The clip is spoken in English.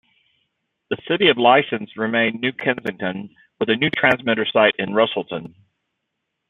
The city of license remained New Kensington with a new transmitter site in Russellton.